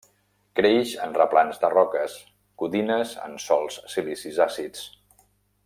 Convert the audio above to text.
Creix en replans de roques, codines en sòls silicis àcids.